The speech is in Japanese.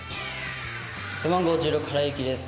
背番号１６原悠樹です。